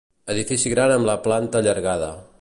Edifici gran amb la planta allargada.